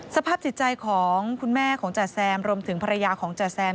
สภาพจิตใจของคุณแม่ของจ๋าแซมรวมถึงภรรยาของจ๋าแซม